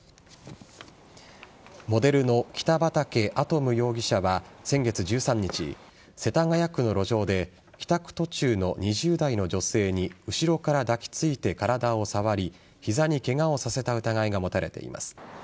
モデルの北畠亜都夢容疑者は先月１３日、世田谷区の路上で帰宅途中の２０代の女性に後ろから抱きついて体を触り膝にケガをさせた疑いが持たれています。